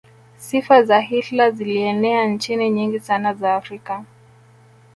sifa za hitler zilienea nchi nyingi sana za afrika